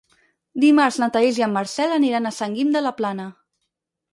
Dimarts na Thaís i en Marcel aniran a Sant Guim de la Plana.